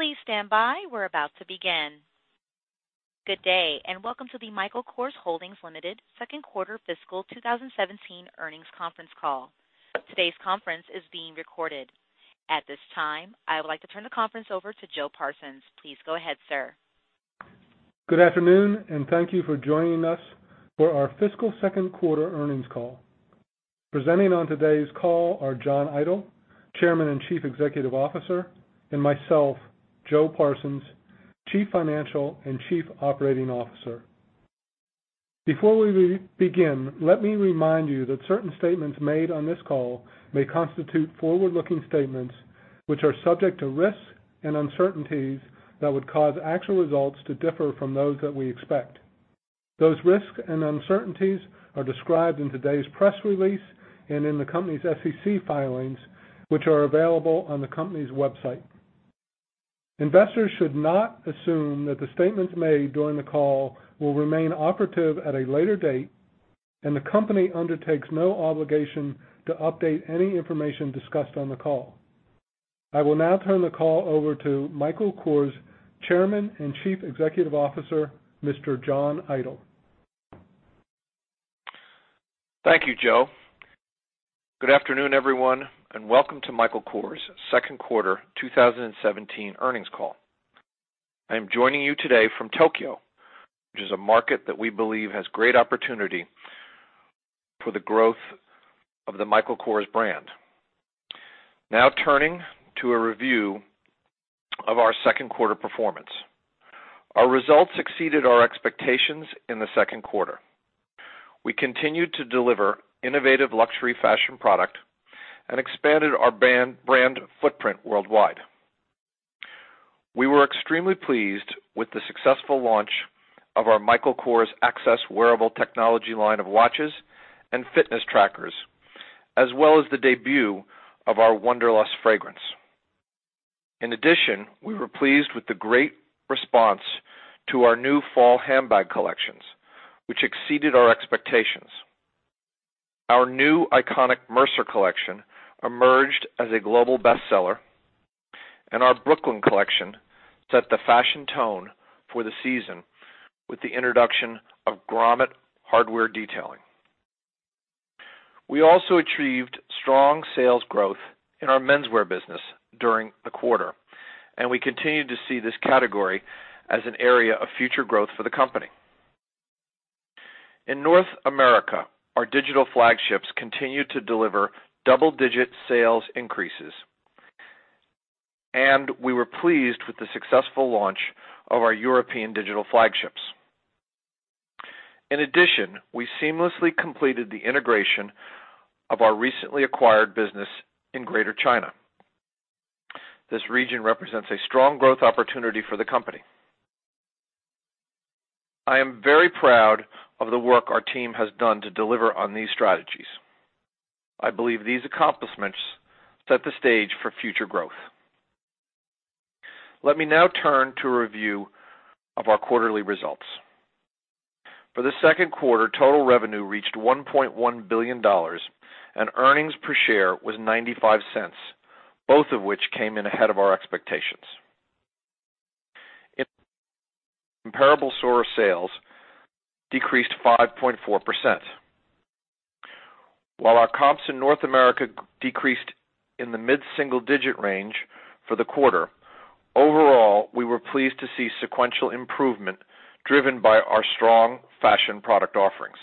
Please stand by. We're about to begin. Good day, and welcome to the Michael Kors Holdings Limited second quarter fiscal 2017 earnings conference call. Today's conference is being recorded. At this time, I would like to turn the conference over to Joe Parsons. Please go ahead, sir. Good afternoon. Thank you for joining us for our fiscal second quarter earnings call. Presenting on today's call are John Idol, Chairman and Chief Executive Officer, and myself, Joe Parsons, Chief Financial and Chief Operating Officer. Before we begin, let me remind you that certain statements made on this call may constitute forward-looking statements, which are subject to risks and uncertainties that would cause actual results to differ from those that we expect. Those risks and uncertainties are described in today's press release and in the company's SEC filings, which are available on the company's website. Investors should not assume that the statements made during the call will remain operative at a later date, and the company undertakes no obligation to update any information discussed on the call. I will now turn the call over to Michael Kors Chairman and Chief Executive Officer, Mr. John Idol. Thank you, Joe. Good afternoon, everyone. Welcome to Michael Kors' second quarter 2017 earnings call. I am joining you today from Tokyo, which is a market that we believe has great opportunity for the growth of the Michael Kors brand. Turning to a review of our second quarter performance. Our results exceeded our expectations in the second quarter. We continued to deliver innovative luxury fashion product and expanded our brand footprint worldwide. We were extremely pleased with the successful launch of our Michael Kors Access wearable technology line of watches and fitness trackers, as well as the debut of our Wonderlust fragrance. In addition, we were pleased with the great response to our new fall handbag collections, which exceeded our expectations. Our new iconic Mercer collection emerged as a global bestseller. Our Brooklyn collection set the fashion tone for the season with the introduction of grommet hardware detailing. We also achieved strong sales growth in our menswear business during the quarter. We continue to see this category as an area of future growth for the company. In North America, our digital flagships continued to deliver double-digit sales increases. We were pleased with the successful launch of our European digital flagships. In addition, we seamlessly completed the integration of our recently acquired business in Greater China. This region represents a strong growth opportunity for the company. I am very proud of the work our team has done to deliver on these strategies. I believe these accomplishments set the stage for future growth. Let me now turn to a review of our quarterly results. For the second quarter, total revenue reached $1.1 billion. Earnings per share was $0.95, both of which came in ahead of our expectations. Comparable store sales decreased 5.4%. While our comps in North America decreased in the mid-single-digit range for the quarter, overall, we were pleased to see sequential improvement driven by our strong fashion product offerings.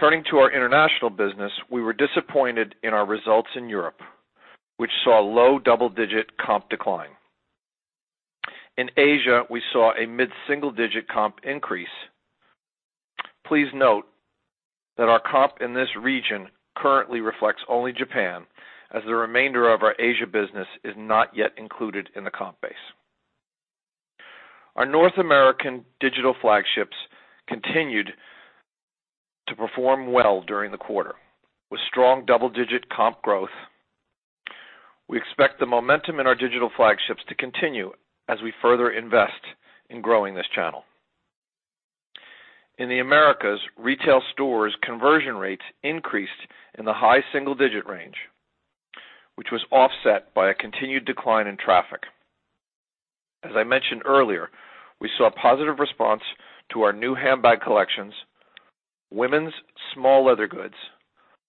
Turning to our international business, we were disappointed in our results in Europe, which saw low double-digit comp decline. In Asia, we saw a mid-single-digit comp increase. Please note that our comp in this region currently reflects only Japan, as the remainder of our Asia business is not yet included in the comp base. Our North American digital flagships continued to perform well during the quarter with strong double-digit comp growth. We expect the momentum in our digital flagships to continue as we further invest in growing this channel. In the Americas, retail stores' conversion rates increased in the high single-digit range, which was offset by a continued decline in traffic. As I mentioned earlier, we saw a positive response to our new handbag collections, women's small leather goods,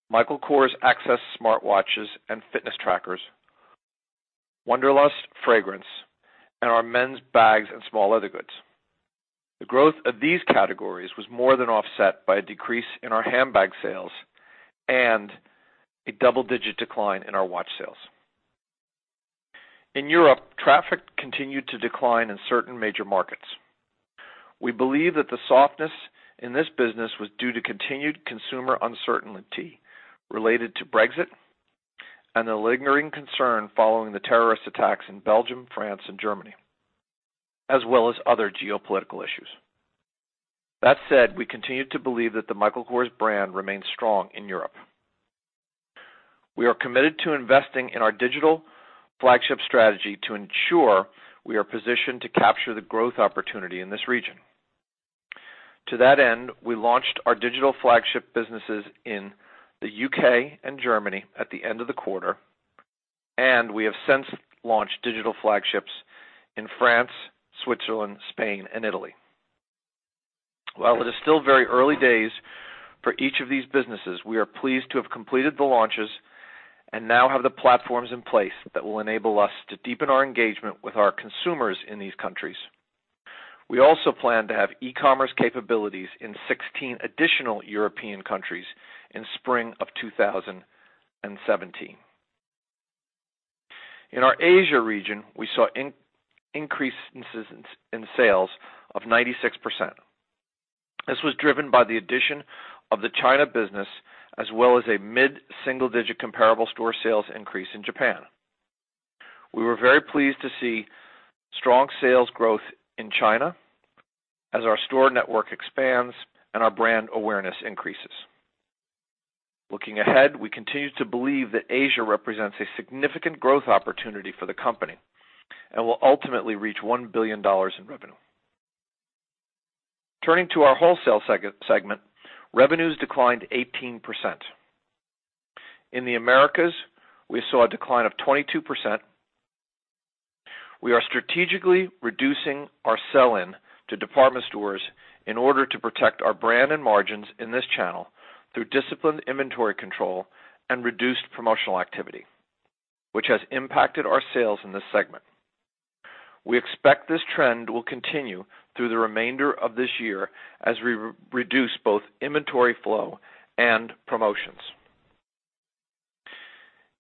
Michael Kors Access smartwatches and fitness trackers, Wonderlust fragrance, and our men's bags and small leather goods. The growth of these categories was more than offset by a decrease in our handbag sales and a double-digit decline in our watch sales. In Europe, traffic continued to decline in certain major markets. We believe that the softness in this business was due to continued consumer uncertainty related to Brexit and the lingering concern following the terrorist attacks in Belgium, France, and Germany, as well as other geopolitical issues. That said, we continue to believe that the Michael Kors brand remains strong in Europe. We are committed to investing in our digital flagship strategy to ensure we are positioned to capture the growth opportunity in this region. To that end, we launched our digital flagship businesses in the U.K. and Germany at the end of the quarter. We have since launched digital flagships in France, Switzerland, Spain, and Italy. While it is still very early days for each of these businesses, we are pleased to have completed the launches and now have the platforms in place that will enable us to deepen our engagement with our consumers in these countries. We also plan to have e-commerce capabilities in 16 additional European countries in spring of 2017. In our Asia region, we saw increases in sales of 96%. This was driven by the addition of the China business, as well as a mid-single-digit comparable store sales increase in Japan. We were very pleased to see strong sales growth in China as our store network expands and our brand awareness increases. Looking ahead, we continue to believe that Asia represents a significant growth opportunity for the company and will ultimately reach $1 billion in revenue. Turning to our wholesale segment, revenues declined 18%. In the Americas, we saw a decline of 22%. We are strategically reducing our sell-in to department stores in order to protect our brand and margins in this channel through disciplined inventory control and reduced promotional activity, which has impacted our sales in this segment. We expect this trend will continue through the remainder of this year as we reduce both inventory flow and promotions.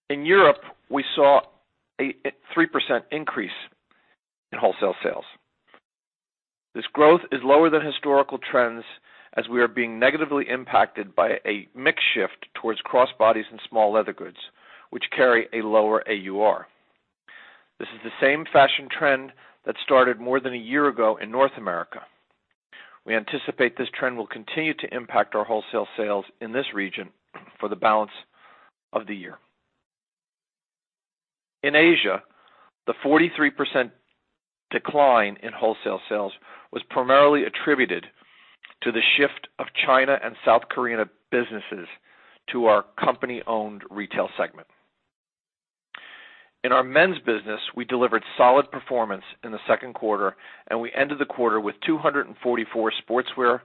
In Europe, we saw a 3% increase in wholesale sales. This growth is lower than historical trends as we are being negatively impacted by a mix shift towards crossbodies and small leather goods, which carry a lower AUR. This is the same fashion trend that started more than a year ago in North America. We anticipate this trend will continue to impact our wholesale sales in this region for the balance of the year. In Asia, the 43% decline in wholesale sales was primarily attributed to the shift of China and South Korean businesses to our company-owned retail segment. In our men's business, we delivered solid performance in the second quarter, and we ended the quarter with 244 sportswear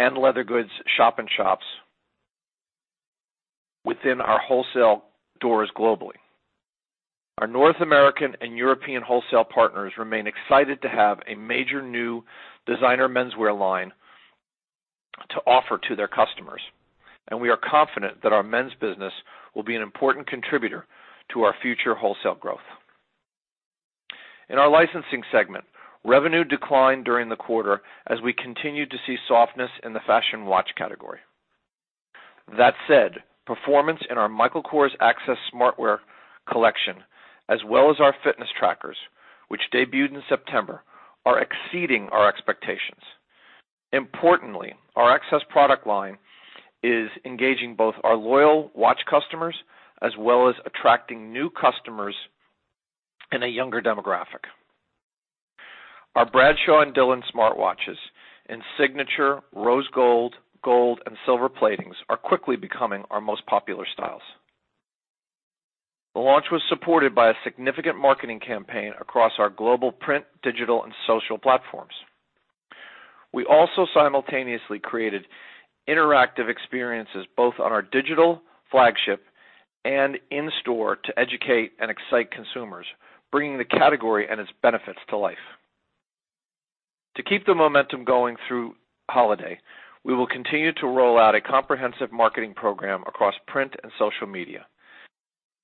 and leather goods shop-in-shops within our wholesale doors globally. Our North American and European wholesale partners remain excited to have a major new designer menswear line to offer to their customers, and we are confident that our men's business will be an important contributor to our future wholesale growth. In our licensing segment, revenue declined during the quarter as we continued to see softness in the fashion watch category. That said, performance in our Michael Kors Access smartwear collection, as well as our fitness trackers, which debuted in September, are exceeding our expectations. Importantly, our Access product line is engaging both our loyal watch customers as well as attracting new customers in a younger demographic. Our Bradshaw and Dylan smartwatches in signature rose gold, and silver platings are quickly becoming our most popular styles. The launch was supported by a significant marketing campaign across our global print, digital, and social platforms. We also simultaneously created interactive experiences both on our digital flagship and in-store to educate and excite consumers, bringing the category and its benefits to life. To keep the momentum going through holiday, we will continue to roll out a comprehensive marketing program across print and social media,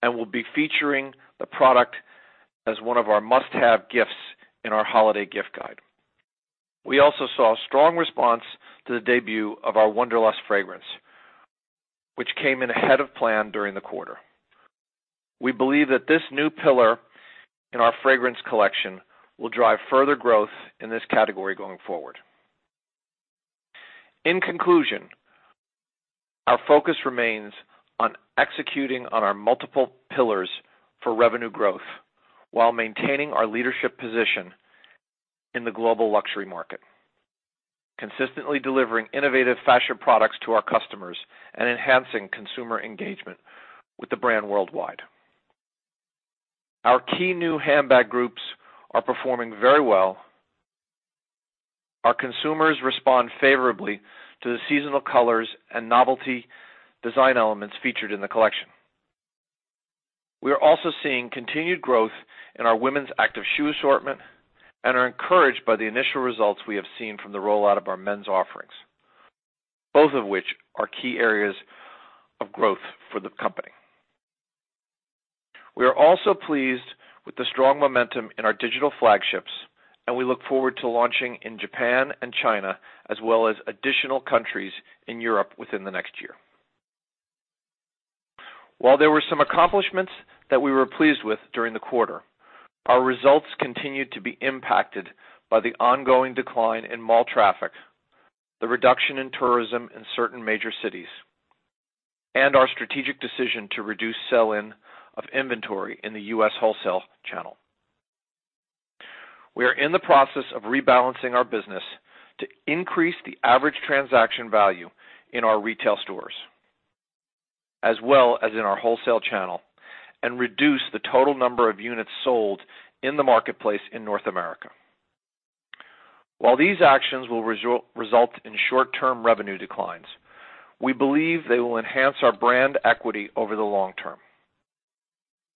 and we'll be featuring the product as one of our must-have gifts in our holiday gift guide. We also saw a strong response to the debut of our Wonderlust fragrance, which came in ahead of plan during the quarter. We believe that this new pillar in our fragrance collection will drive further growth in this category going forward. In conclusion, our focus remains on executing on our multiple pillars for revenue growth while maintaining our leadership position in the global luxury market, consistently delivering innovative fashion products to our customers, and enhancing consumer engagement with the brand worldwide. Our key new handbag groups are performing very well. Our consumers respond favorably to the seasonal colors and novelty design elements featured in the collection. We are also seeing continued growth in our women's active shoe assortment and are encouraged by the initial results we have seen from the rollout of our men's offerings, both of which are key areas of growth for the company. We are also pleased with the strong momentum in our digital flagships, and we look forward to launching in Japan and China, as well as additional countries in Europe within the next year. While there were some accomplishments that we were pleased with during the quarter, our results continued to be impacted by the ongoing decline in mall traffic, the reduction in tourism in certain major cities. Our strategic decision to reduce sell-in of inventory in the U.S. wholesale channel. We are in the process of rebalancing our business to increase the average transaction value in our retail stores, as well as in our wholesale channel, and reduce the total number of units sold in the marketplace in North America. While these actions will result in short-term revenue declines, we believe they will enhance our brand equity over the long term.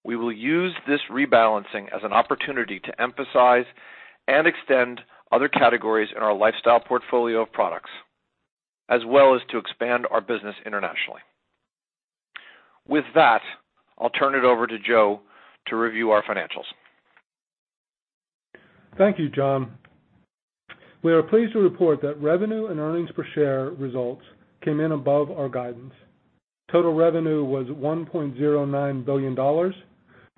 We will use this rebalancing as an opportunity to emphasize and extend other categories in our lifestyle portfolio of products, as well as to expand our business internationally. With that, I'll turn it over to Joe to review our financials. Thank you, John. We are pleased to report that revenue and earnings per share results came in above our guidance. Total revenue was $1.09 billion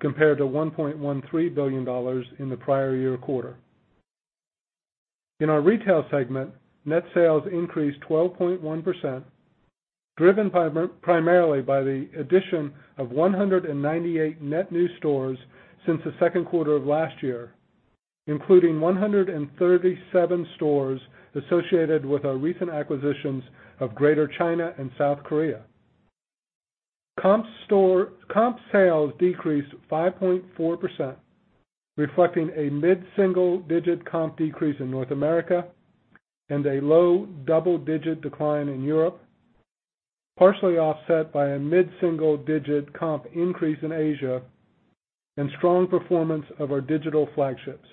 compared to $1.13 billion in the prior year quarter. In our retail segment, net sales increased 12.1%, driven primarily by the addition of 198 net new stores since the second quarter of last year, including 137 stores associated with our recent acquisitions of Greater China and South Korea. Comp sales decreased 5.4%, reflecting a mid-single-digit comp decrease in North America and a low-double-digit decline in Europe, partially offset by a mid-single-digit comp increase in Asia and strong performance of our digital flagships.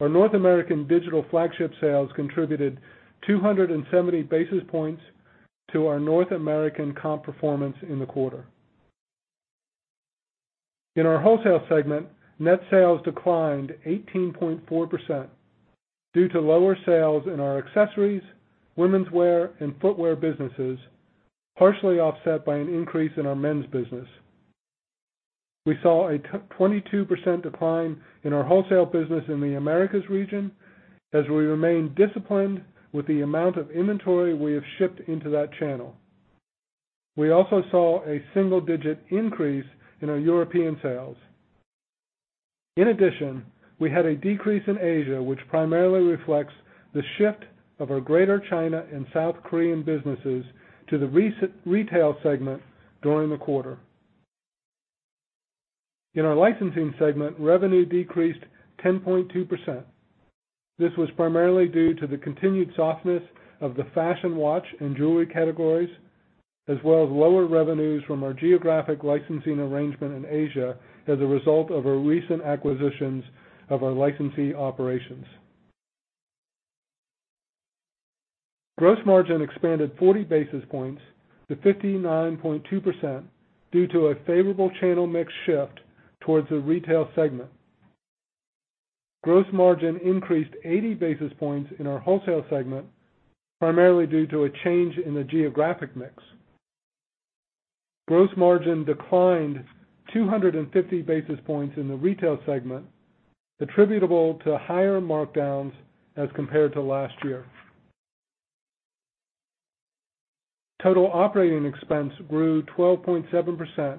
Our North American digital flagship sales contributed 270 basis points to our North American comp performance in the quarter. In our wholesale segment, net sales declined 18.4% due to lower sales in our accessories, womenswear, and footwear businesses, partially offset by an increase in our men's business. We saw a 22% decline in our wholesale business in the Americas region, as we remain disciplined with the amount of inventory we have shipped into that channel. We also saw a single-digit increase in our European sales. In addition, we had a decrease in Asia, which primarily reflects the shift of our Greater China and South Korean businesses to the retail segment during the quarter. In our licensing segment, revenue decreased 10.2%. This was primarily due to the continued softness of the fashion watch and jewelry categories, as well as lower revenues from our geographic licensing arrangement in Asia as a result of our recent acquisitions of our licensee operations. Gross margin expanded 40 basis points to 59.2% due to a favorable channel mix shift towards the retail segment. Gross margin increased 80 basis points in our wholesale segment, primarily due to a change in the geographic mix. Gross margin declined 250 basis points in the retail segment, attributable to higher markdowns as compared to last year. Total operating expense grew 12.7%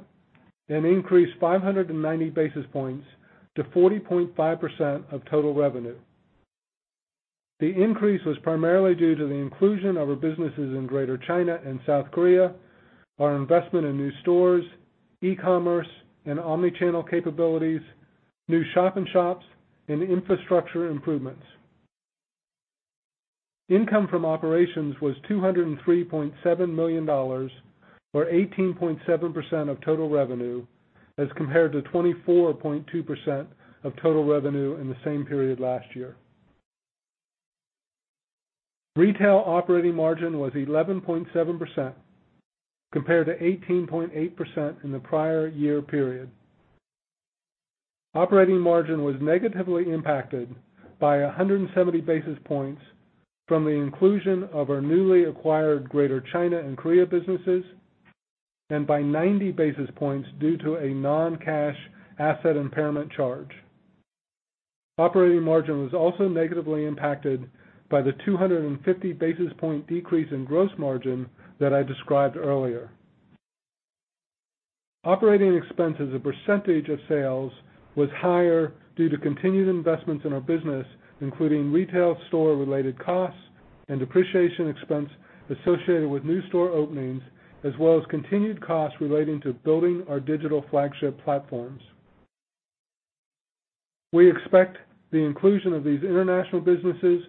and increased 590 basis points to 40.5% of total revenue. The increase was primarily due to the inclusion of our businesses in Greater China and South Korea, our investment in new stores, e-commerce, and omnichannel capabilities, new shop-in-shops, and infrastructure improvements. Income from operations was $203.7 million, or 18.7% of total revenue, as compared to 24.2% of total revenue in the same period last year. Retail operating margin was 11.7% compared to 18.8% in the prior year period. Operating margin was negatively impacted by 170 basis points from the inclusion of our newly acquired Greater China and Korea businesses and by 90 basis points due to a non-cash asset impairment charge. Operating margin was also negatively impacted by the 250 basis point decrease in gross margin that I described earlier. Operating expense as a percentage of sales was higher due to continued investments in our business, including retail store-related costs and depreciation expense associated with new store openings, as well as continued costs relating to building our digital flagship platforms. We expect the inclusion of these international businesses,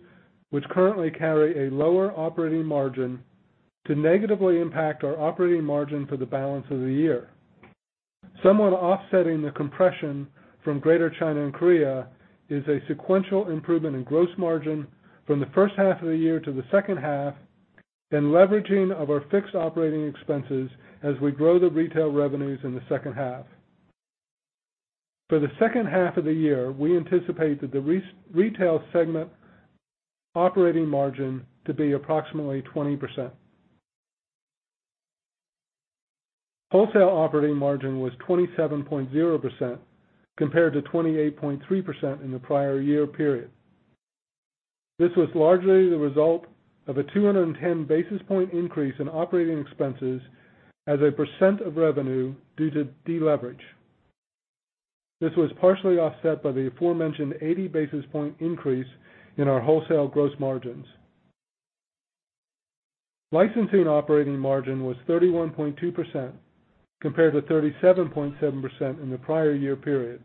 which currently carry a lower operating margin, to negatively impact our operating margin for the balance of the year. Somewhat offsetting the compression from Greater China and Korea is a sequential improvement in gross margin from the first half of the year to the second half and leveraging of our fixed operating expenses as we grow the retail revenues in the second half. For the second half of the year, we anticipate that the retail segment operating margin to be approximately 20%. Wholesale operating margin was 27.0% compared to 28.3% in the prior year period. This was largely the result of a 210 basis point increase in operating expenses as a percent of revenue due to deleverage. This was partially offset by the aforementioned 80 basis point increase in our wholesale gross margins. Licensing operating margin was 31.2% compared to 37.7% in the prior year period.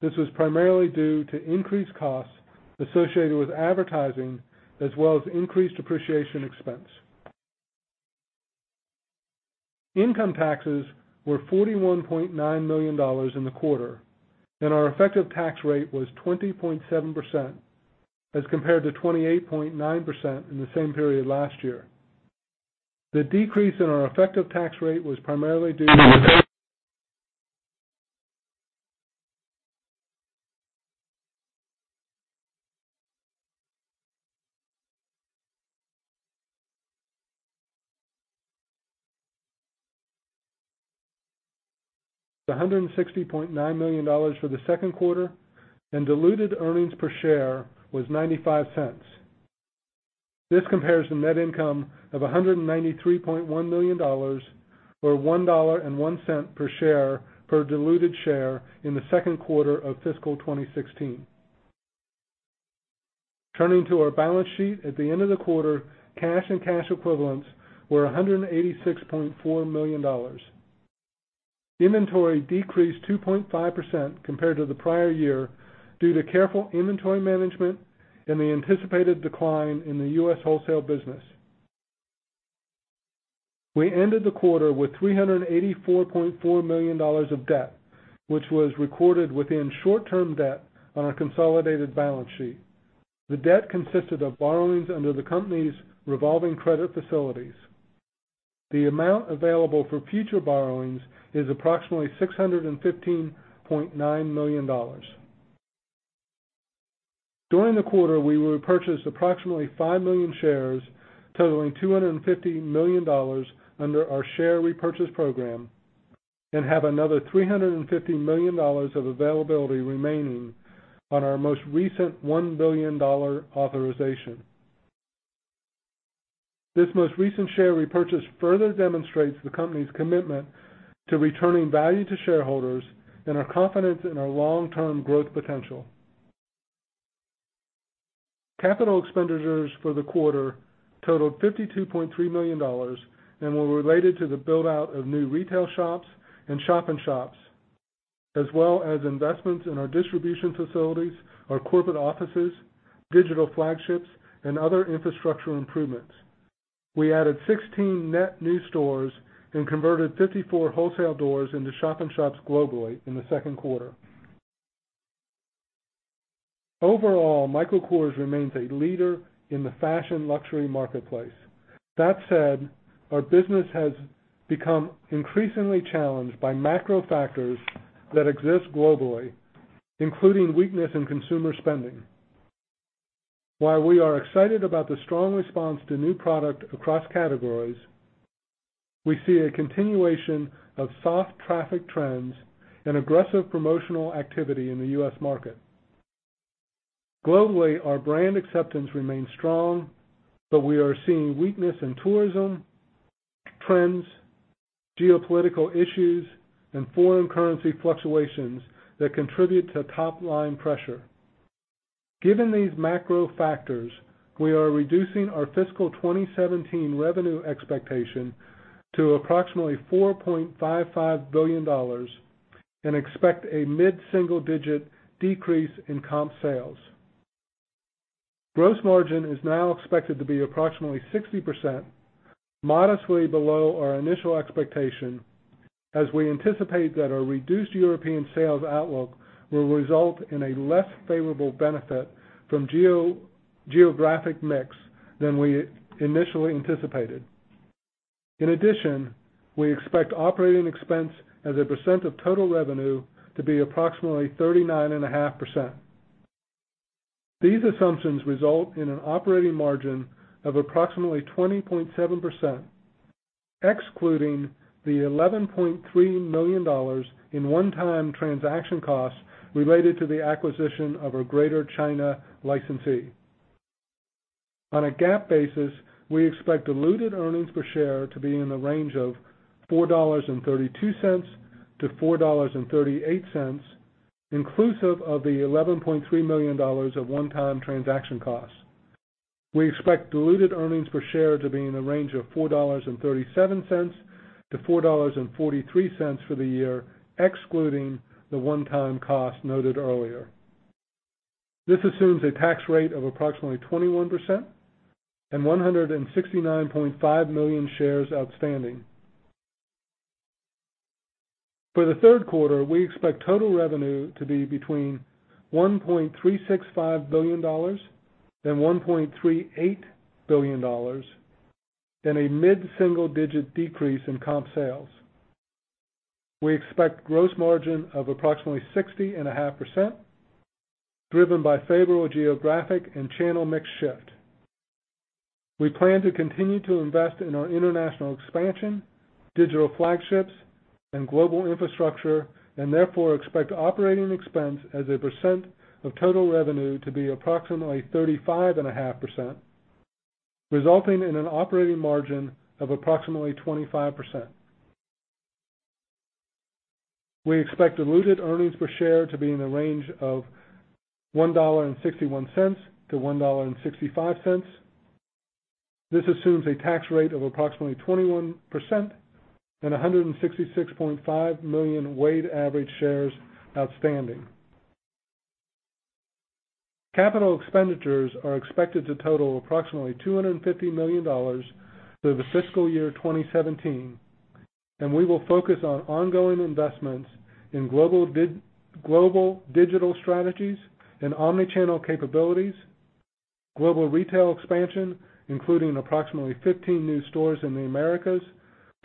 This was primarily due to increased costs associated with advertising, as well as increased depreciation expense. Income taxes were $41.9 million in the quarter. Our effective tax rate was 20.7% as compared to 28.9% in the same period last year. The decrease in our effective tax rate was primarily due to $160.9 million for the second quarter, and diluted earnings per share was $0.95. This compares to net income of $193.1 million, or $1.01 per share per diluted share in the second quarter of fiscal 2016. Turning to our balance sheet. At the end of the quarter, cash and cash equivalents were $186.4 million. Inventory decreased 2.5% compared to the prior year due to careful inventory management and the anticipated decline in the U.S. wholesale business. We ended the quarter with $384.4 million of debt, which was recorded within short-term debt on our consolidated balance sheet. The debt consisted of borrowings under the company's revolving credit facilities. The amount available for future borrowings is approximately $615.9 million. During the quarter, we repurchased approximately 5 million shares, totaling $250 million under our share repurchase program. Have another $350 million of availability remaining on our most recent $1 billion authorization. This most recent share repurchase further demonstrates the company's commitment to returning value to shareholders and our confidence in our long-term growth potential. Capital expenditures for the quarter totaled $52.3 million and were related to the build-out of new retail shops and shop in shops, as well as investments in our distribution facilities, our corporate offices, digital flagships, and other infrastructural improvements. We added 16 net new stores and converted 54 wholesale doors into shop in shops globally in the second quarter. Overall, Michael Kors remains a leader in the fashion luxury marketplace. That said, our business has become increasingly challenged by macro factors that exist globally, including weakness in consumer spending. While we are excited about the strong response to new product across categories, we see a continuation of soft traffic trends and aggressive promotional activity in the U.S. market. Globally, our brand acceptance remains strong, but we are seeing weakness in tourism trends, geopolitical issues, and foreign currency fluctuations that contribute to top-line pressure. Given these macro factors, we are reducing our fiscal 2017 revenue expectation to approximately $4.55 billion and expect a mid-single-digit decrease in comp sales. Gross margin is now expected to be approximately 60%, modestly below our initial expectation, as we anticipate that our reduced European sales outlook will result in a less favorable benefit from geographic mix than we initially anticipated. We expect operating expense as a percent of total revenue to be approximately 39.5%. These assumptions result in an operating margin of approximately 20.7%, excluding the $11.3 million in one-time transaction costs related to the acquisition of our Greater China licensee. On a GAAP basis, we expect diluted earnings per share to be in the range of $4.32 to $4.38, inclusive of the $11.3 million of one-time transaction costs. We expect diluted earnings per share to be in the range of $4.37 to $4.43 for the year, excluding the one-time cost noted earlier. This assumes a tax rate of approximately 21% and 169.5 million shares outstanding. For the third quarter, we expect total revenue to be between $1.365 billion and $1.38 billion, and a mid-single-digit decrease in comp sales. We expect gross margin of approximately 60.5%, driven by favorable geographic and channel mix shift. We plan to continue to invest in our international expansion, digital flagships, and global infrastructure, therefore expect operating expense as a percent of total revenue to be approximately 35.5%, resulting in an operating margin of approximately 25%. We expect diluted earnings per share to be in the range of $1.61 to $1.65. This assumes a tax rate of approximately 21% and 166.5 million weighted average shares outstanding. Capital expenditures are expected to total approximately $250 million through the fiscal year 2017, and we will focus on ongoing investments in global digital strategies and omni-channel capabilities, global retail expansion, including approximately 15 new stores in the Americas,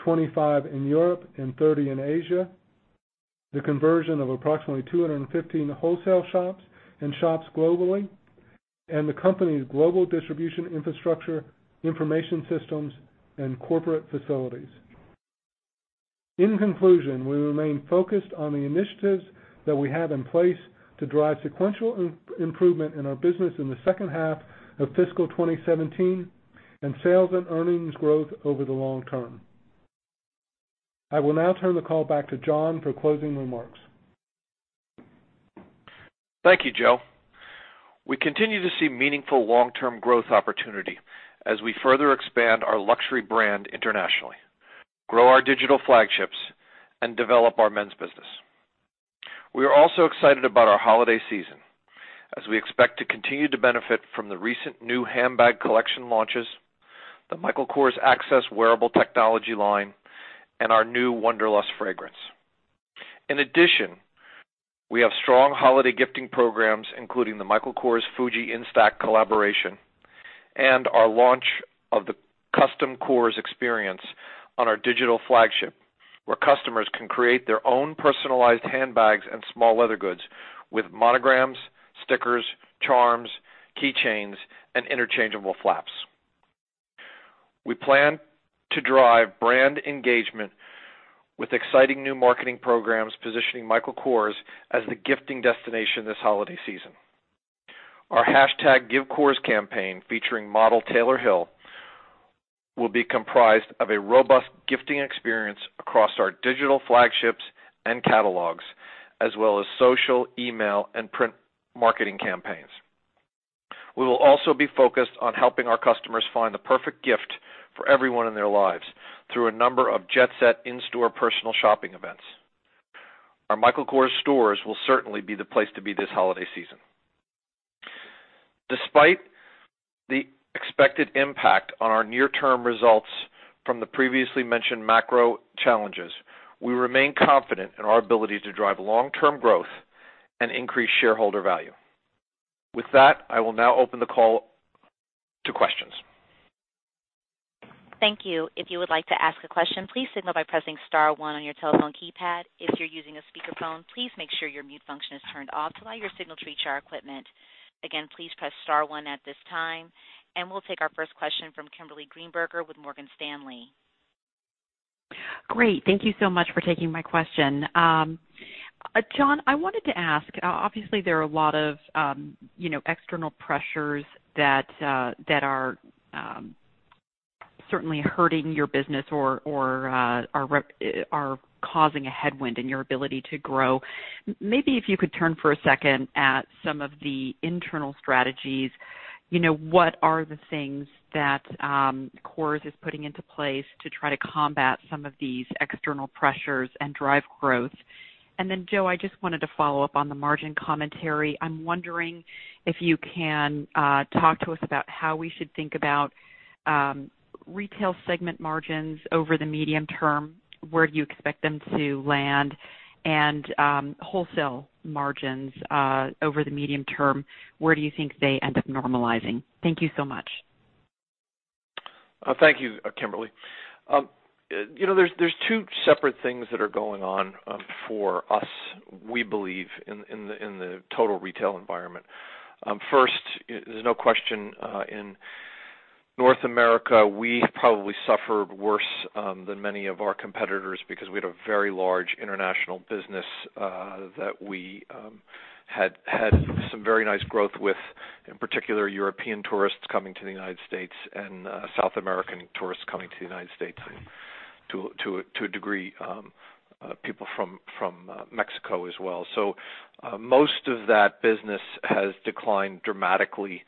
25 in Europe and 30 in Asia, the conversion of approximately 215 wholesale shops and shops globally, the company's global distribution infrastructure, information systems, and corporate facilities. In conclusion, we remain focused on the initiatives that we have in place to drive sequential improvement in our business in the second half of fiscal 2017 and sales and earnings growth over the long term. I will now turn the call back to John for closing remarks. Thank you, Joe. We continue to see meaningful long-term growth opportunity as we further expand our luxury brand internationally, grow our digital flagships, and develop our men's business. We are also excited about our holiday season, as we expect to continue to benefit from the recent new handbag collection launches, the Michael Kors Access wearable technology line, and our new Wonderlust fragrance. In addition, we have strong holiday gifting programs, including the Michael Kors FUJIFILM INSTAX collaboration and our launch of the Custom KORS experience on our digital flagship, where customers can create their own personalized handbags and small leather goods with monograms, stickers, charms, key chains, and interchangeable flaps. We plan to drive brand engagement with exciting new marketing programs, positioning Michael Kors as the gifting destination this holiday season. Our #GiveKors campaign, featuring model Taylor Hill, will be comprised of a robust gifting experience across our digital flagships and catalogs, as well as social, email, and print marketing campaigns. We will also be focused on helping our customers find the perfect gift for everyone in their lives through a number of Jet Set in-store personal shopping events. Our Michael Kors stores will certainly be the place to be this holiday season. Despite the expected impact on our near-term results from the previously mentioned macro challenges, we remain confident in our ability to drive long-term growth and increase shareholder value. With that, I will now open the call to questions. Thank you. If you would like to ask a question, please signal by pressing *1 on your telephone keypad. If you're using a speakerphone, please make sure your mute function is turned off to allow your signal to reach our equipment. Again, please press *1 at this time, and we'll take our first question from Kimberly Greenberger with Morgan Stanley. Great. Thank you so much for taking my question. John, I wanted to ask, obviously, there are a lot of external pressures that are certainly hurting your business or are causing a headwind in your ability to grow. Maybe if you could turn for a second at some of the internal strategies, what are the things that Kors is putting into place to try to combat some of these external pressures and drive growth? Then, Joe, I just wanted to follow up on the margin commentary. I'm wondering if you can talk to us about how we should think about retail segment margins over the medium term. Where do you expect them to land? Wholesale margins over the medium term, where do you think they end up normalizing? Thank you so much. Thank you, Kimberly. There's two separate things that are going on for us, we believe, in the total retail environment. First, there's no question, in North America, we have probably suffered worse than many of our competitors because we had a very large international business that we had some very nice growth with, in particular European tourists coming to the U.S. and South American tourists coming to the U.S., and to a degree, people from Mexico as well. Most of that business has declined dramatically.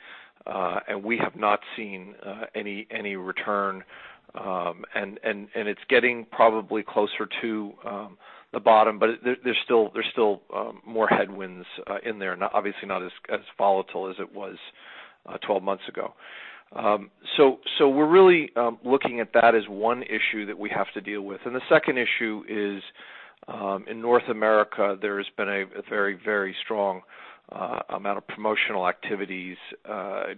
We have not seen any return, and it's getting probably closer to the bottom, but there's still more headwinds in there. Obviously not as volatile as it was 12 months ago. We're really looking at that as one issue that we have to deal with. The second issue is, in North America, there has been a very strong amount of promotional activities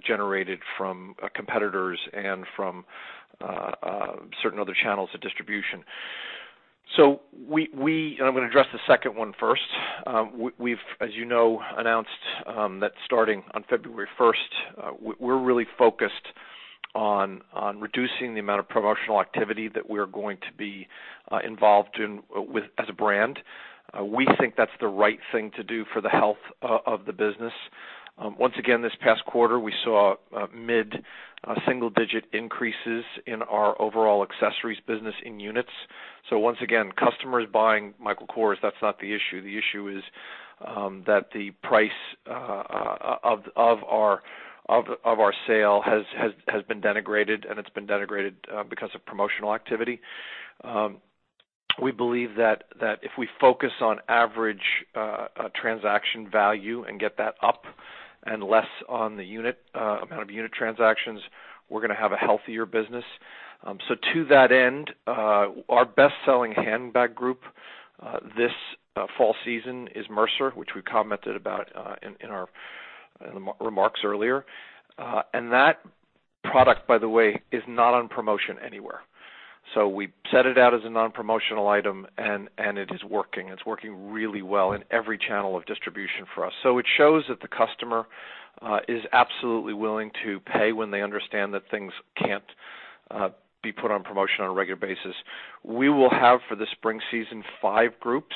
generated from competitors and from certain other channels of distribution. I'm going to address the second one first. We've, as you know, announced that starting on February 1st, we're really focused on reducing the amount of promotional activity that we're going to be involved in as a brand. We think that's the right thing to do for the health of the business. Once again, this past quarter, we saw mid-single digit increases in our overall accessories business in units. Once again, customers buying Michael Kors, that's not the issue. The issue is that the price of our sale has been denigrated, and it's been denigrated because of promotional activity. We believe that if we focus on average transaction value and get that up and less on the amount of unit transactions, we're going to have a healthier business. To that end, our best-selling handbag group this fall season is Mercer, which we commented about in our remarks earlier. That product, by the way, is not on promotion anywhere. We set it out as a non-promotional item, and it is working. It's working really well in every channel of distribution for us. It shows that the customer is absolutely willing to pay when they understand that things can't be put on promotion on a regular basis. We will have, for the spring season, five groups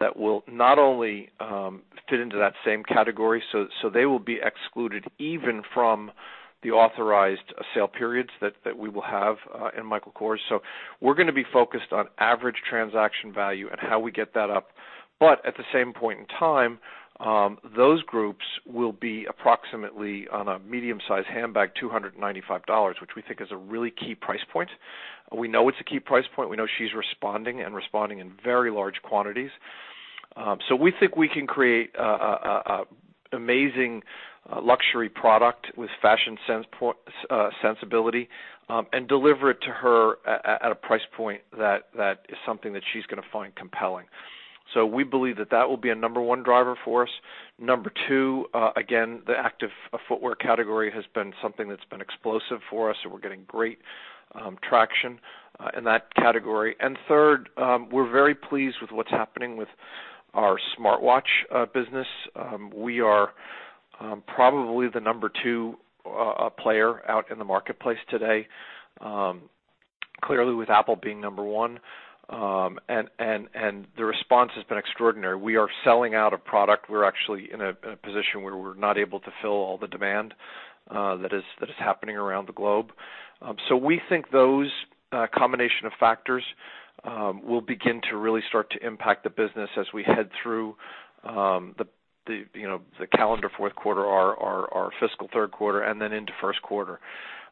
that will not only fit into that same category, so they will be excluded even from the authorized sale periods that we will have in Michael Kors. We're going to be focused on average transaction value and how we get that up. At the same point in time, those groups will be approximately, on a medium size handbag, $295, which we think is a really key price point. We know it's a key price point. We know she's responding and responding in very large quantities. We think we can create an amazing luxury product with fashion sensibility and deliver it to her at a price point that is something that she's going to find compelling. We believe that that will be a number one driver for us. Number two, again, the active footwear category has been something that's been explosive for us, and we're getting great traction in that category. Third, we're very pleased with what's happening with our smartwatch business. We are probably the number two player out in the marketplace today. Clearly, with Apple being number one. The response has been extraordinary. We are selling out of product. We're actually in a position where we're not able to fill all the demand that is happening around the globe. We think those combination of factors will begin to really start to impact the business as we head through the calendar fourth quarter, our fiscal third quarter, and then into first quarter.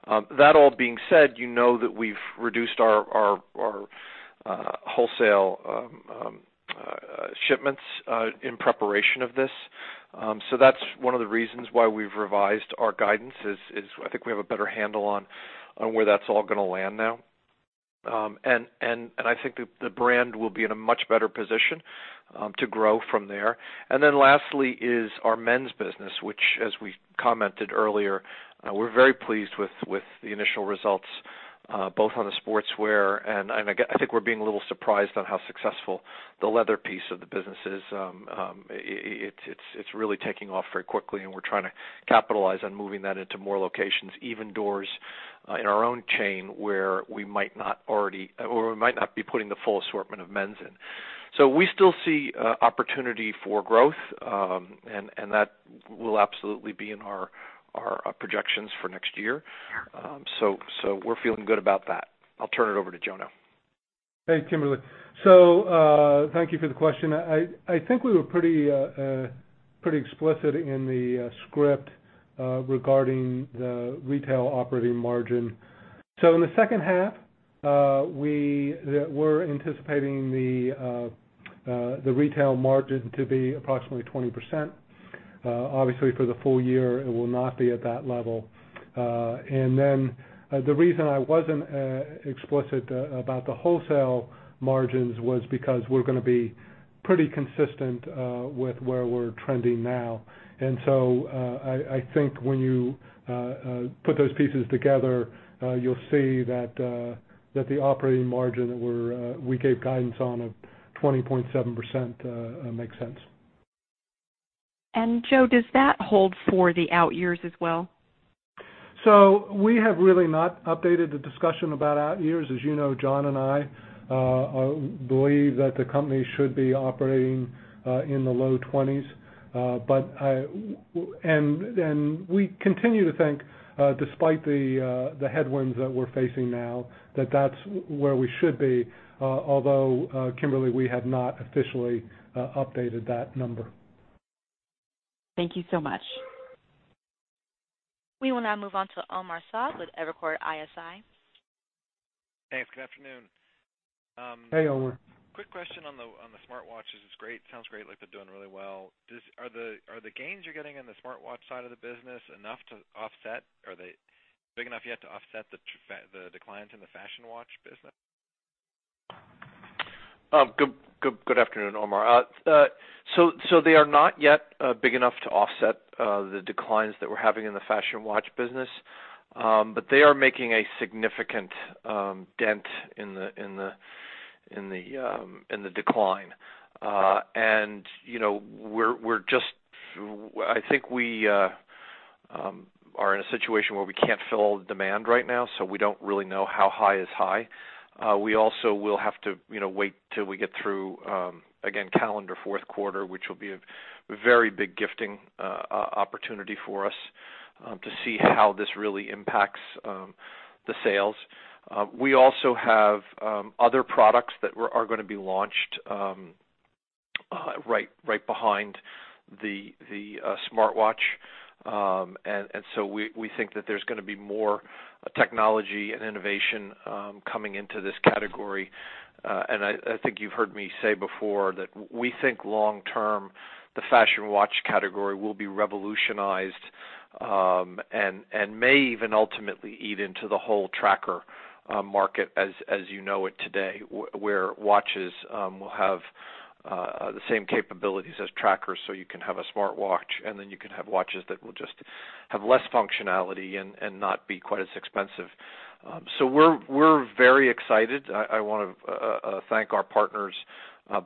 That all being said, you know that we've reduced our wholesale shipments in preparation of this. That's one of the reasons why we've revised our guidance is I think we have a better handle on where that's all going to land now. I think the brand will be in a much better position to grow from there. Lastly is our men's business, which, as we commented earlier, we're very pleased with the initial results both on the sportswear, and I think we're being a little surprised on how successful the leather piece of the business is. It's really taking off very quickly, and we're trying to capitalize on moving that into more locations, even doors in our own chain where we might not be putting the full assortment of men's in. We still see opportunity for growth, and that will absolutely be in our projections for next year. We're feeling good about that. I'll turn it over to Joe now. Hey, Kimberly. Thank you for the question. I think we were pretty explicit in the script regarding the retail operating margin. In the second half, we're anticipating the retail margin to be approximately 20%. Obviously, for the full year, it will not be at that level. The reason I wasn't explicit about the wholesale margins was because we're going to be pretty consistent with where we're trending now. I think when you put those pieces together, you'll see that the operating margin that we gave guidance on of 20.7% makes sense. Joe, does that hold for the out years as well? We have really not updated the discussion about out years. As you know, John and I believe that the company should be operating in the low 20s. We continue to think, despite the headwinds that we're facing now, that that's where we should be, although, Kimberly, we have not officially updated that number. Thank you so much. We will now move on to Omar Saad with Evercore ISI. Thanks. Good afternoon. Hey, Omar. Quick question on the smartwatches. It sounds great, like they're doing really well. Are the gains you're getting on the smartwatch side of the business enough to offset the declines in the fashion watch business? Good afternoon, Omar. They are not yet big enough to offset the declines that we're having in the fashion watch business. They are making a significant dent in the decline. I think we are in a situation where we can't fill all the demand right now, so we don't really know how high is high. We also will have to wait till we get through, again, calendar fourth quarter, which will be a very big gifting opportunity for us to see how this really impacts the sales. We also have other products that are going to be launched right behind the smartwatch. We think that there's going to be more technology and innovation coming into this category. I think you've heard me say before that we think long term, the fashion watch category will be revolutionized, and may even ultimately eat into the whole tracker market as you know it today, where watches will have the same capabilities as trackers. You can have a smartwatch, and then you can have watches that will just have less functionality and not be quite as expensive. We're very excited. I want to thank our partners,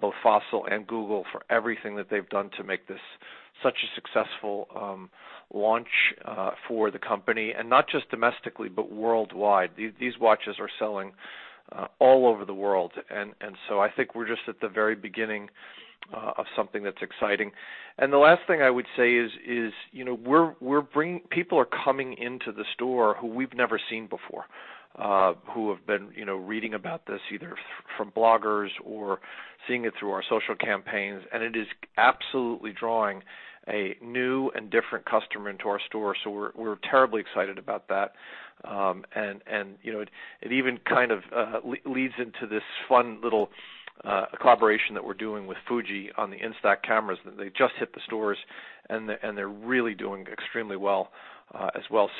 both Fossil and Google, for everything that they've done to make this such a successful launch for the company. Not just domestically, but worldwide. These watches are selling all over the world. I think we're just at the very beginning of something that's exciting. The last thing I would say is people are coming into the store who we've never seen before, who have been reading about this, either from bloggers or seeing it through our social campaigns, and it is absolutely drawing a new and different customer into our store. We're terribly excited about that. It even kind of leads into this fun little collaboration that we're doing with Fujifilm on the INSTAX cameras. They just hit the stores, and they're really doing extremely well as well.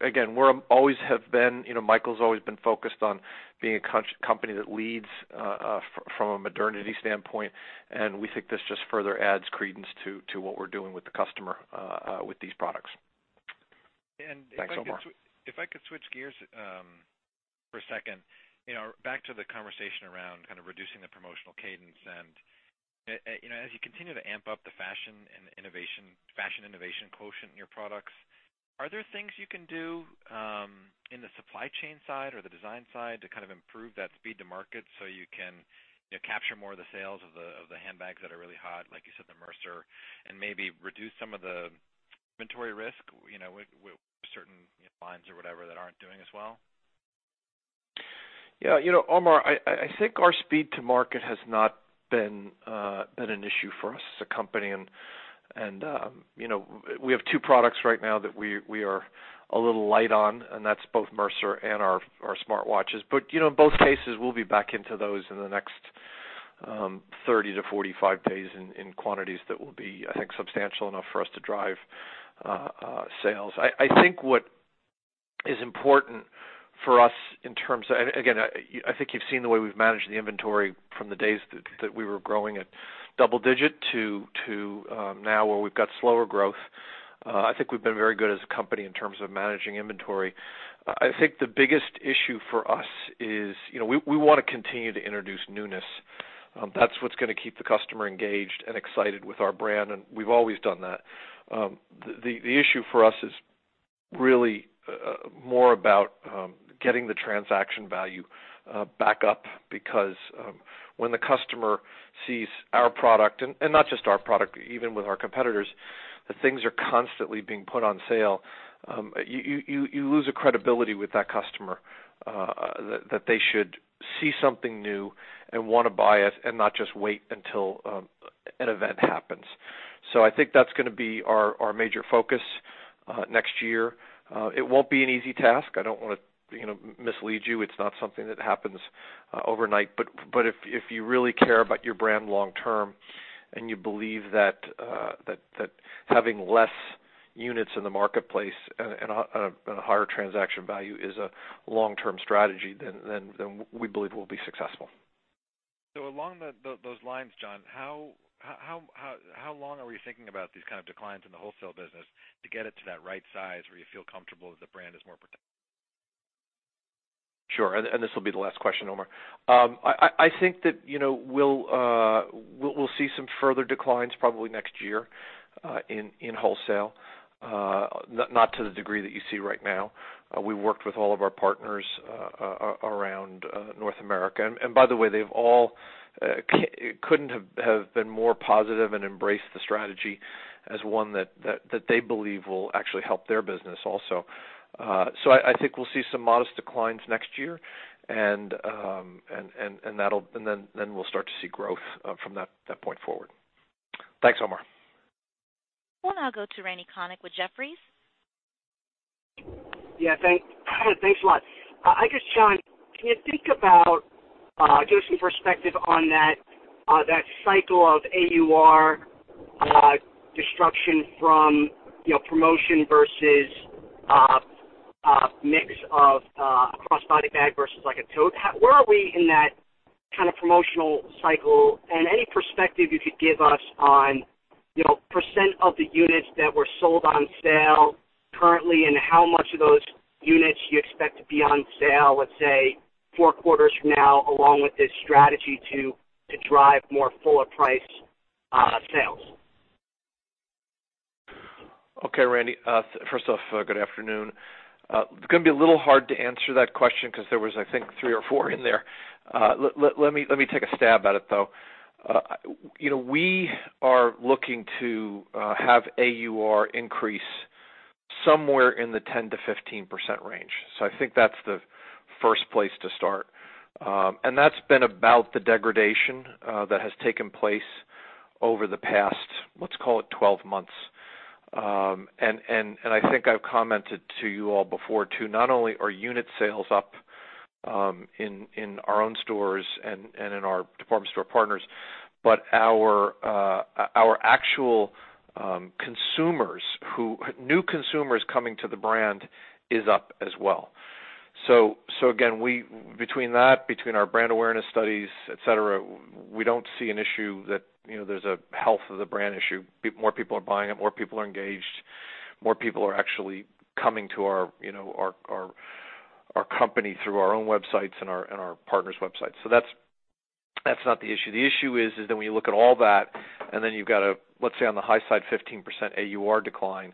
Again, Michael's always been focused on being a company that leads from a modernity standpoint, and we think this just further adds credence to what we're doing with the customer with these products. Thanks, Omar. If I could switch gears for a second. Back to the conversation around kind of reducing the promotional cadence and as you continue to amp up the fashion innovation quotient in your products, are there things you can do in the supply chain side or the design side to kind of improve that speed to market so you can capture more of the sales of the handbags that are really hot, like you said, the Mercer, and maybe reduce some of the inventory risk with certain lines or whatever that aren't doing as well? Yeah. Omar, I think our speed to market has not been an issue for us as a company. We have two products right now that we are a little light on, and that's both Mercer and our smartwatches. In both cases, we'll be back into those in the next 30 to 45 days in quantities that will be, I think, substantial enough for us to drive sales. I think what is important for us in terms of. Again, I think you've seen the way we've managed the inventory from the days that we were growing at double digit to now where we've got slower growth. I think we've been very good as a company in terms of managing inventory. I think the biggest issue for us is we want to continue to introduce newness. That's what's going to keep the customer engaged and excited with our brand, and we've always done that. The issue for us is really more about getting the transaction value back up, because when the customer sees our product, and not just our product, even with our competitors, that things are constantly being put on sale. You lose a credibility with that customer, that they should see something new and want to buy it and not just wait until an event happens. I think that's going to be our major focus next year. It won't be an easy task. I don't want to mislead you. It's not something that happens overnight. If you really care about your brand long term and you believe that having less units in the marketplace and a higher transaction value is a long-term strategy, we believe we'll be successful. Along those lines, John, how long are we thinking about these kind of declines in the wholesale business to get it to that right size where you feel comfortable that the brand is more protected? Sure, this will be the last question, Omar. I think that we'll see some further declines probably next year in wholesale. Not to the degree that you see right now. We worked with all of our partners around North America. By the way, they all couldn't have been more positive and embraced the strategy as one that they believe will actually help their business also. I think we'll see some modest declines next year, we'll start to see growth from that point forward. Thanks, Omar. We'll now go to Randal Konik with Jefferies. Yeah, thanks a lot. I guess, John, can you think about giving some perspective on that cycle of AUR destruction from promotion versus mix of a crossbody bag versus a tote. Where are we in that promotional cycle? Any perspective you could give us on % of the units that were sold on sale currently, and how much of those units you expect to be on sale, let's say, 4 quarters from now along with this strategy to drive more fuller price sales? Okay, Randy. First off, good afternoon. It's going to be a little hard to answer that question because there was, I think, three or four in there. Let me take a stab at it, though. We are looking to have AUR increase somewhere in the 10%-15% range. I think that's the first place to start. That's been about the degradation that has taken place over the past, let's call it 12 months. I think I've commented to you all before, too. Not only are unit sales up in our own stores and in our department store partners, but our actual new consumers coming to the brand is up as well. Again, between that, between our brand awareness studies, et cetera, we don't see an issue that there's a health of the brand issue. More people are buying it, more people are engaged, more people are actually coming to our company through our own websites and our partners' websites. That's not the issue. The issue is that when you look at all that, and then you've got a, let's say, on the high side, 15% AUR decline,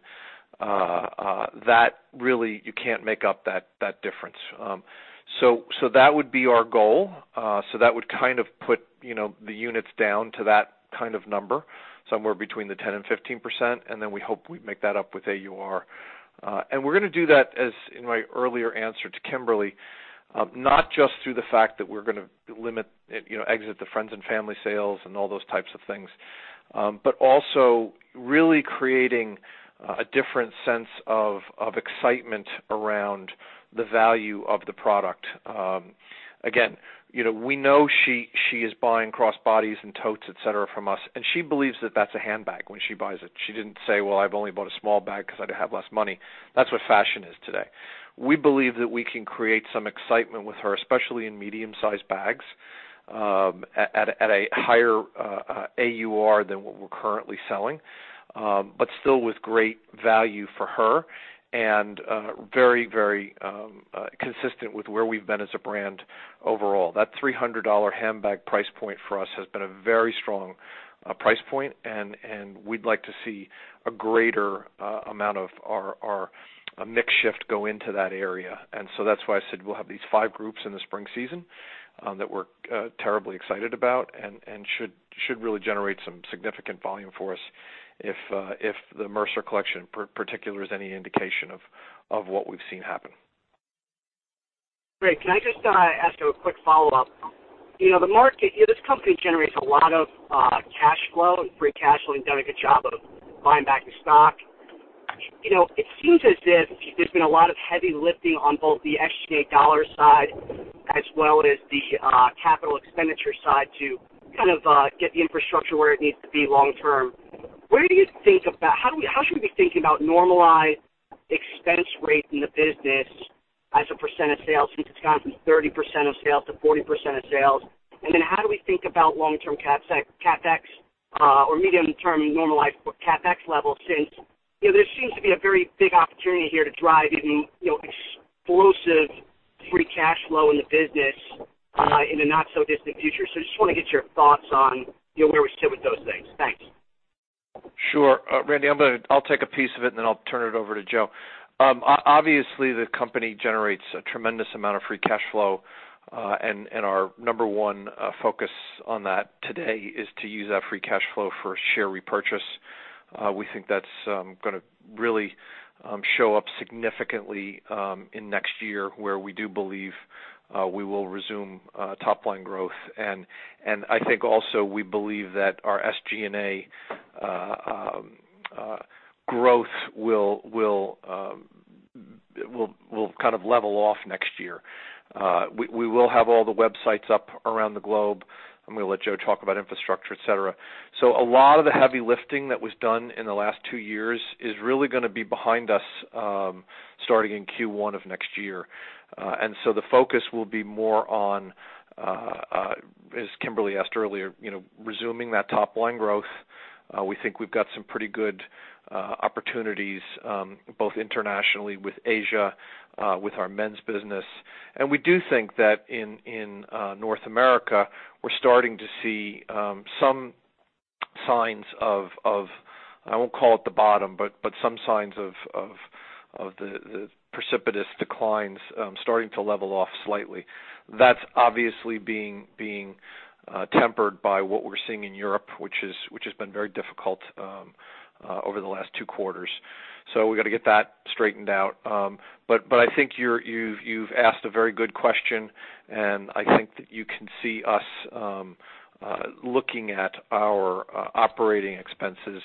that really, you can't make up that difference. That would be our goal. That would put the units down to that kind of number, somewhere between the 10% and 15%, and then we hope we make that up with AUR. We're going to do that, as in my earlier answer to Kimberly, not just through the fact that we're going to limit, exit the friends and family sales and all those types of things, but also really creating a different sense of excitement around the value of the product. Again, we know she is buying crossbodies and totes, et cetera, from us, and she believes that that's a handbag when she buys it. She didn't say, "Well, I've only bought a small bag because I have less money." That's what fashion is today. We believe that we can create some excitement with her, especially in medium-sized bags, at a higher AUR than what we're currently selling. Still with great value for her and very consistent with where we've been as a brand overall. That $300 handbag price point for us has been a very strong price point, and we'd like to see a greater amount of our mix shift go into that area. That's why I said we'll have these five groups in the spring season that we're terribly excited about and should really generate some significant volume for us if the Mercer collection particular is any indication of what we've seen happen. Great. Can I just ask a quick follow-up? This company generates a lot of cash flow and free cash flow and doing a good job of buying back the stock. It seems as if there's been a lot of heavy lifting on both the SG&A dollar side as well as the capital expenditure side to get the infrastructure where it needs to be long term. How should we be thinking about normalized expense rate in the business as a percent of sales, since it's gone from 30% of sales to 40% of sales? How do we think about long term CapEx or medium term normalized CapEx levels, since there seems to be a very big opportunity here to drive even explosive free cash flow in the business in the not so distant future. I just want to get your thoughts on where we sit with those things. Thanks. Sure. Randy, I'll take a piece of it and then I'll turn it over to Joe. Obviously, the company generates a tremendous amount of free cash flow, and our number one focus on that today is to use that free cash flow for share repurchase. We think that's going to really show up significantly in next year where we do believe we will resume top line growth. I think also we believe that our SG&A growth will level off next year. We will have all the websites up around the globe. I'm going to let Joe talk about infrastructure, et cetera. A lot of the heavy lifting that was done in the last two years is really going to be behind us starting in Q1 of next year. The focus will be more on, as Kimberly asked earlier, resuming that top line growth. We think we've got some pretty good opportunities both internationally with Asia, with our men's business. We do think that in North America, we're starting to see some signs of, I won't call it the bottom, but some signs of the precipitous declines starting to level off slightly. That's obviously being tempered by what we're seeing in Europe, which has been very difficult over the last two quarters. We've got to get that straightened out. I think you've asked a very good question, and I think that you can see us looking at our operating expenses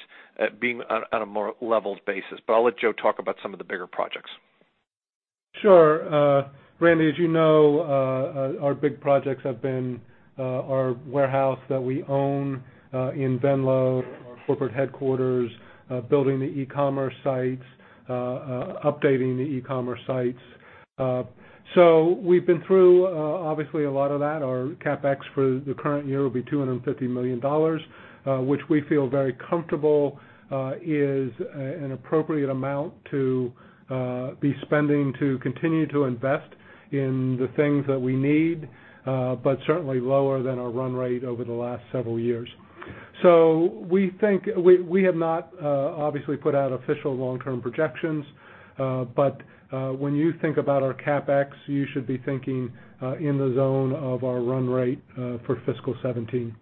being on a more leveled basis. I'll let Joe talk about some of the bigger projects. Sure. Randy, as you know, our big projects have been our warehouse that we own in Venlo, our corporate headquarters, building the e-commerce sites, updating the e-commerce sites. We've been through, obviously, a lot of that. Our CapEx for the current year will be $250 million, which we feel very comfortable is an appropriate amount to be spending to continue to invest in the things that we need, but certainly lower than our run rate over the last several years. We have not, obviously, put out official long-term projections. When you think about our CapEx, you should be thinking in the zone of our run rate for fiscal 2017.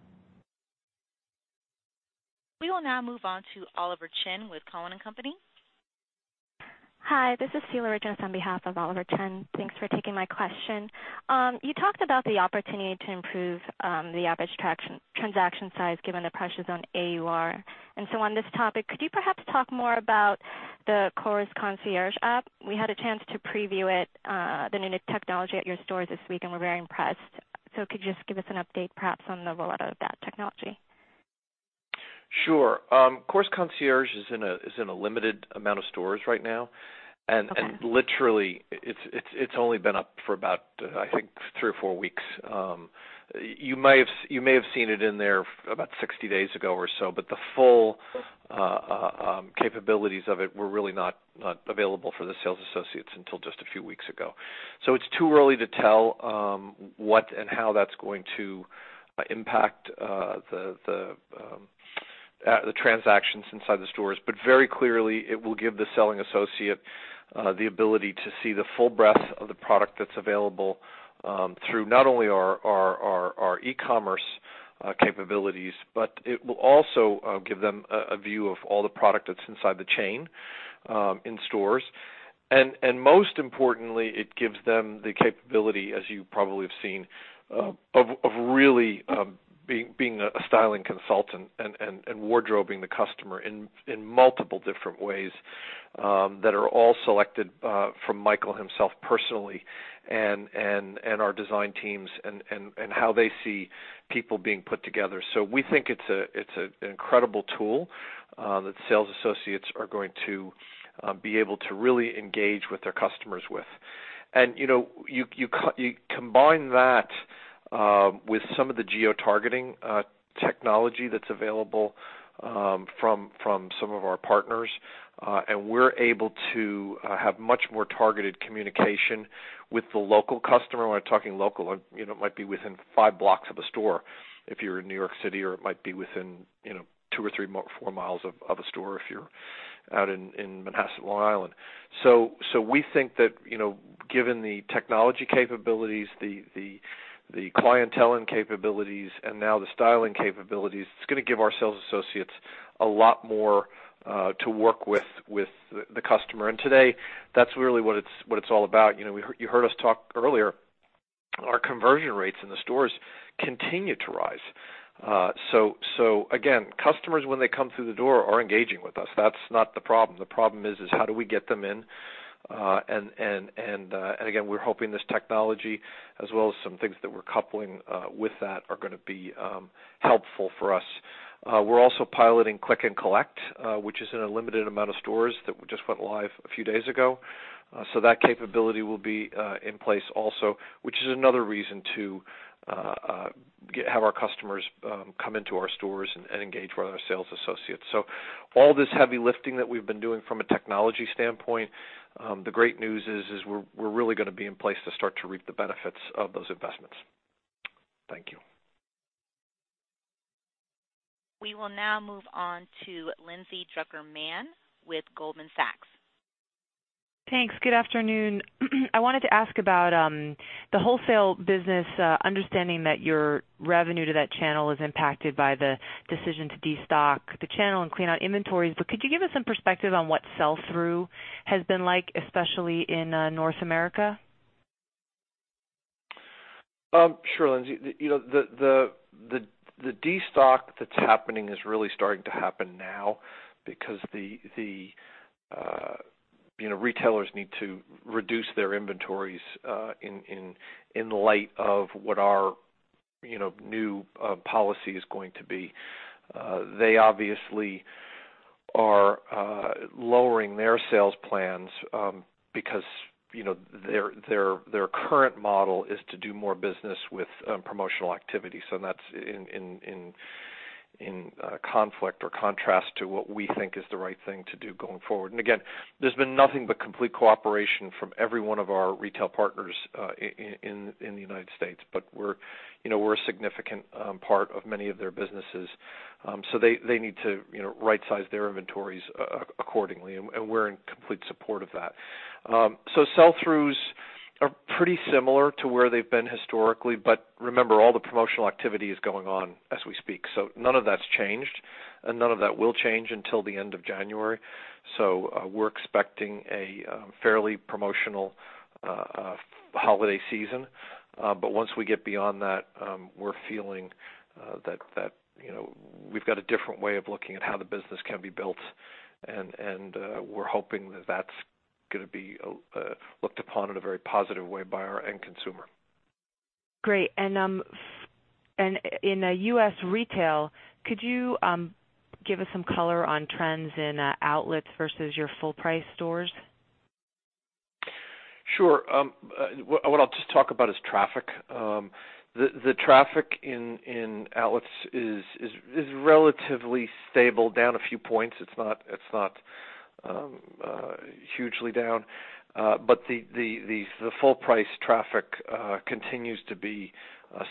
We will now move on to Oliver Chen with Cowen and Company. Hi, this is Sheila Regis on behalf of Oliver Chen. Thanks for taking my question. You talked about the opportunity to improve the average transaction size given the pressures on AUR. On this topic, could you perhaps talk more about the Kors Concierge app? We had a chance to preview it, the new technology at your store this week, and we're very impressed. Could you just give us an update, perhaps, on the rollout of that technology? Sure. Kors Concierge is in a limited amount of stores right now. Okay. It's only been up for about, I think, three or four weeks. You may have seen it in there about 60 days ago or so, the full capabilities of it were really not available for the sales associates until just a few weeks ago. It's too early to tell what and how that's going to impact the transactions inside the stores. Very clearly, it will give the selling associate the ability to see the full breadth of the product that's available through not only our e-commerce capabilities, it will also give them a view of all the product that's inside the chain in stores. Most importantly, it gives them the capability, as you probably have seen, of really being a styling consultant and wardrobing the customer in multiple different ways that are all selected from Michael himself personally and our design teams and how they see people being put together. We think it's an incredible tool that sales associates are going to be able to really engage with their customers with. You combine that with some of the geotargeting technology that's available from some of our partners, we're able to have much more targeted communication with the local customer. When I'm talking local, it might be within five blocks of a store if you're in New York City, or it might be within two or three or four miles of a store if you're out in Manhasset, Long Island. We think that given the technology capabilities, the clientele capabilities, and now the styling capabilities, it's going to give our sales associates a lot more to work with the customer. Today, that's really what it's all about. You heard us talk earlier, our conversion rates in the stores continue to rise. Again, customers, when they come through the door, are engaging with us. That's not the problem. The problem is how do we get them in? Again, we're hoping this technology as well as some things that we're coupling with that are going to be helpful for us. We're also piloting Click & Collect, which is in a limited amount of stores that just went live a few days ago. That capability will be in place also, which is another reason to have our customers come into our stores and engage with our sales associates. All this heavy lifting that we've been doing from a technology standpoint, the great news is we're really going to be in place to start to reap the benefits of those investments. Thank you. We will now move on to Lindsay Drucker Mann with Goldman Sachs. Thanks. Good afternoon. I wanted to ask about the wholesale business, understanding that your revenue to that channel is impacted by the decision to destock the channel and clean out inventories. Could you give us some perspective on what sell-through has been like, especially in North America? Sure, Lindsay. The destock that's happening is really starting to happen now because the retailers need to reduce their inventories in light of what our new policy is going to be. They obviously are lowering their sales plans because their current model is to do more business with promotional activity. That's in conflict or contrast to what we think is the right thing to do going forward. Again, there's been nothing but complete cooperation from every one of our retail partners in the U.S. We're a significant part of many of their businesses, so they need to right-size their inventories accordingly, and we're in complete support of that. Sell-throughs are pretty similar to where they've been historically, but remember, all the promotional activity is going on as we speak. None of that's changed, and none of that will change until the end of January. We're expecting a fairly promotional holiday season. Once we get beyond that, we're feeling that we've got a different way of looking at how the business can be built, and we're hoping that that's going to be looked upon in a very positive way by our end consumer. Great. In U.S. retail, could you give us some color on trends in outlets versus your full-price stores? Sure. What I'll just talk about is traffic. The traffic in outlets is relatively stable, down a few points. It's not hugely down. The full-price traffic continues to be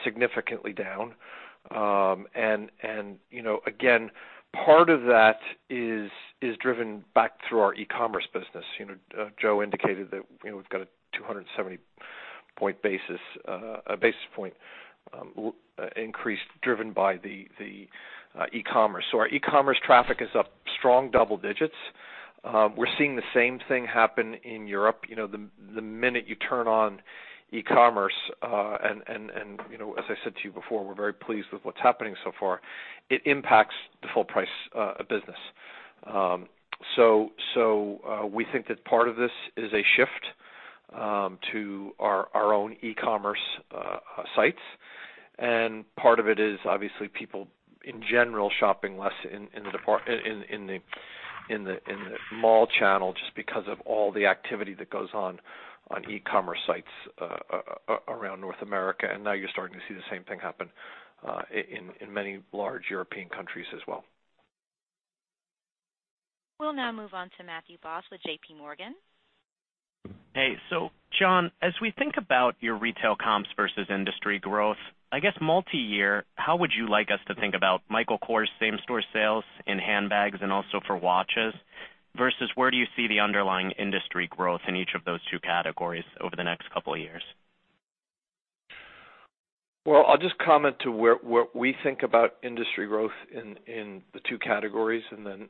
significantly down. Again, part of that is driven back through our e-commerce business. Joe indicated that we've got a 270 basis point increase driven by the e-commerce. Our e-commerce traffic is up strong double digits. We're seeing the same thing happen in Europe. The minute you turn on e-commerce, as I said to you before, we're very pleased with what's happening so far. It impacts the full-price business. We think that part of this is a shift to our own e-commerce sites. Part of it is obviously people in general shopping less in the mall channel just because of all the activity that goes on e-commerce sites around North America. Now you're starting to see the same thing happen in many large European countries as well. We'll now move on to Matthew Boss with J.P. Morgan. Hey. John, as we think about your retail comps versus industry growth, I guess multi-year, how would you like us to think about Michael Kors same store sales in handbags and also for watches versus where do you see the underlying industry growth in each of those two categories over the next couple of years? Well, I'll just comment to where we think about industry growth in the two categories, then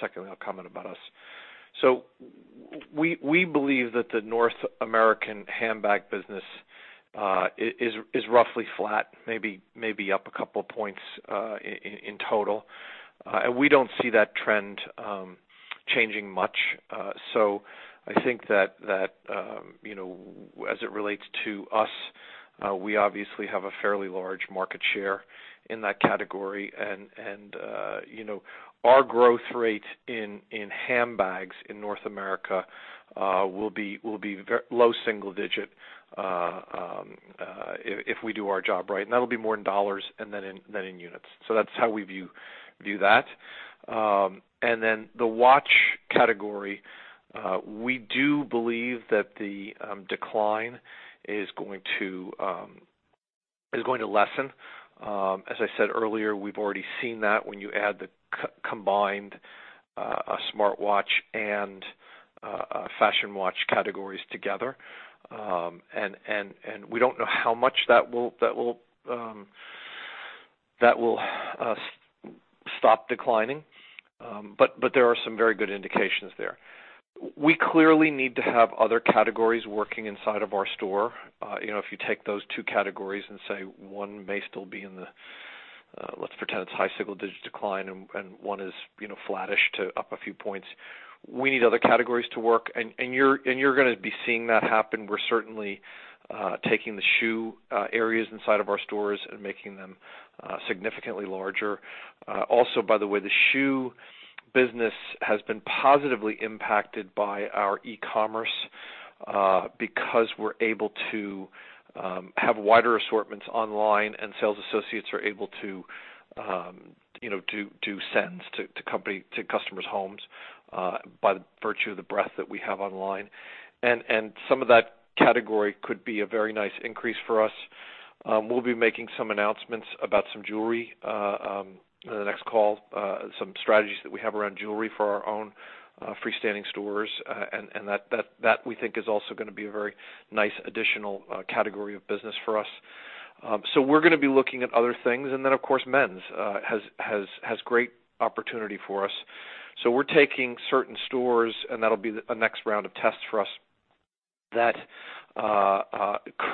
secondly, I'll comment about us. We believe that the North American handbag business is roughly flat, maybe up a couple points in total. We don't see that trend changing much. I think that as it relates to us, we obviously have a fairly large market share in that category. Our growth rate in handbags in North America will be low single digit if we do our job right. That'll be more in dollars than in units. That's how we view that. The watch category, we do believe that the decline is going to lessen. As I said earlier, we've already seen that when you add the combined smartwatch and fashion watch categories together. We don't know how much that will stop declining. There are some very good indications there. We clearly need to have other categories working inside of our store. If you take those two categories and say one may still be in the, let's pretend it's high single digit decline and one is flattish to up a few points. We need other categories to work, and you're going to be seeing that happen. We're certainly taking the shoe areas inside of our stores and making them significantly larger. Also, by the way, the shoe business has been positively impacted by our e-commerce because we're able to have wider assortments online and sales associates are able to do sends to customers' homes by virtue of the breadth that we have online. Some of that category could be a very nice increase for us. We'll be making some announcements about some jewelry in the next call, some strategies that we have around jewelry for our own freestanding stores. That we think is also going to be a very nice additional category of business for us. We're going to be looking at other things. Of course, men's has great opportunity for us. We're taking certain stores, and that'll be a next round of tests for us that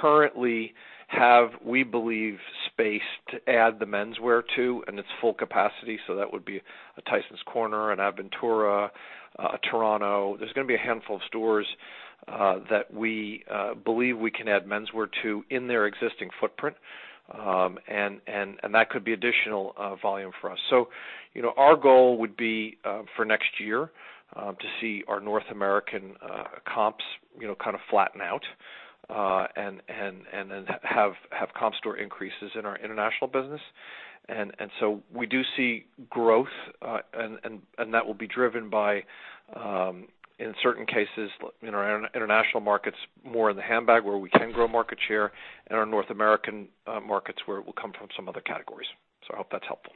currently have, we believe, space to add the menswear to in its full capacity. That would be a Tysons Corner, an Aventura, a Toronto. There's going to be a handful of stores that we believe we can add menswear to in their existing footprint. That could be additional volume for us. Our goal would be, for next year, to see our North American comps kind of flatten out, then have comp store increases in our international business. We do see growth, and that will be driven by, in certain cases, in our international markets, more in the handbag where we can grow market share, and our North American markets where it will come from some other categories. I hope that's helpful.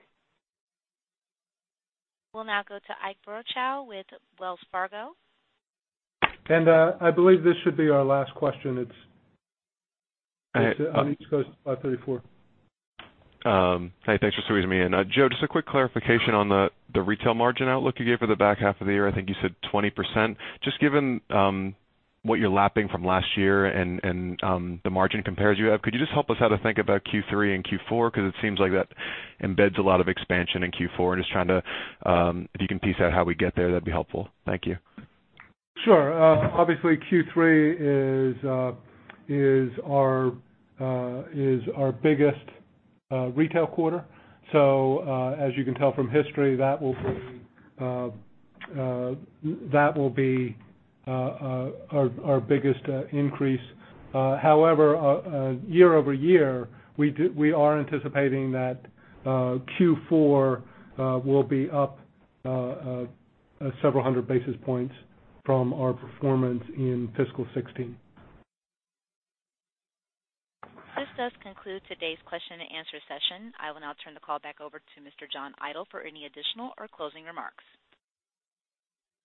We'll now go to Ike Boruchow with Wells Fargo. I believe this should be our last question. It's on East Coast, 5:34 P.M. Hey, thanks for squeezing me in. Joe, just a quick clarification on the retail margin outlook you gave for the back half of the year. I think you said 20%. Given what you're lapping from last year and the margin compares you have, could you just help us how to think about Q3 and Q4? Because it seems like that embeds a lot of expansion in Q4. If you can piece out how we get there, that'd be helpful. Thank you. Sure. Obviously Q3 is our biggest retail quarter. As you can tell from history, that will be our biggest increase. However, year-over-year, we are anticipating that Q4 will be up several hundred basis points from our performance in fiscal 2016. This does conclude today's question and answer session. I will now turn the call back over to Mr. John Idol for any additional or closing remarks.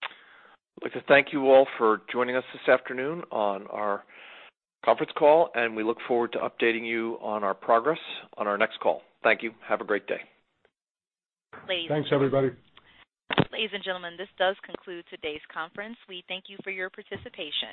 I'd like to thank you all for joining us this afternoon on our conference call. We look forward to updating you on our progress on our next call. Thank you. Have a great day. Ladies- Thanks, everybody. Ladies and gentlemen, this does conclude today's conference. We thank you for your participation.